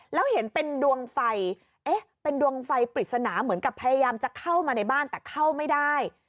แล้วเห็นเป็นดวงไฟเอ๊ะเป็นดวงไฟปริศนาเหมือนกับพยายามจะเข้ามาในบ้านแต่เข้าไม่ได้